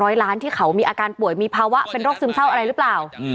ล้านที่เขามีอาการป่วยมีภาวะเป็นโรคซึมเศร้าอะไรหรือเปล่า